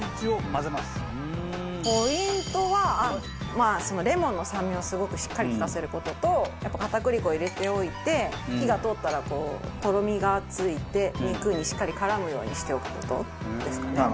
ポイントはまあレモンの酸味をすごくしっかり利かせる事と片栗粉を入れておいて火が通ったらとろみがついて肉にしっかり絡むようにしておく事ですかね。